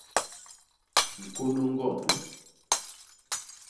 Ñkônô ñgond.